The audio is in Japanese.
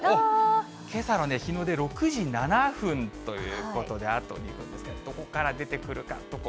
けさの日の出、６時７分ということで、あと２分、どこから出てくるか、どこ？